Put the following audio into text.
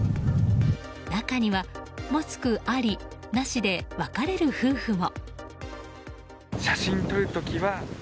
中にはマスクあり、なしで分かれる夫婦も。